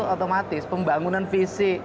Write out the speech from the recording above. otomatis pembangunan visi